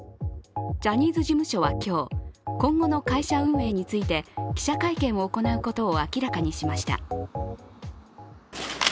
ジャニーズ事務所は今日、今後の会社運営について記者会見を行うことを明らかにしました。